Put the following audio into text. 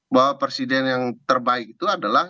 bahwa presiden yang terbaik itu adalah